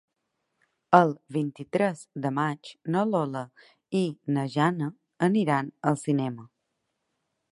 El vint-i-tres de maig na Lola i na Jana aniran al cinema.